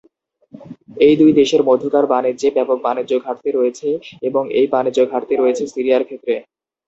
এই দুই দেশের মধ্যকার বাণিজ্যে, ব্যাপক বাণিজ্য ঘাটতি রয়েছে এবং এই বাণিজ্য ঘাটতি রয়েছে সিরিয়ার ক্ষেত্রে।